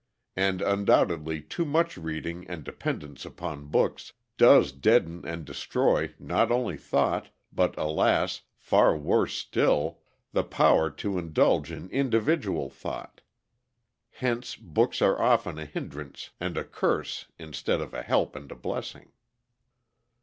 And undoubtedly too much reading and dependence upon books does deaden and destroy not only thought, but, alas! far worse still, the power to indulge in individual thought. Hence books are often a hindrance and a curse instead of a help and a blessing.